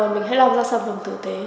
mình hãy làm ra sản phẩm tử tế